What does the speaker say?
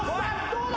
どうだ？